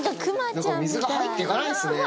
水が入っていかないですね。